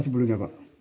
masih belum ada apa